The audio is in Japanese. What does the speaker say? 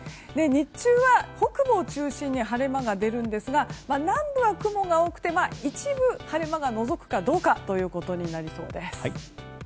日中は北部を中心に晴れ間が出るんですが南部は雲が多くて一部晴れ間がのぞくかどうかになりそうです。